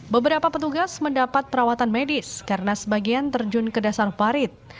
beberapa petugas mendapat perawatan medis karena sebagian terjun ke dasar parit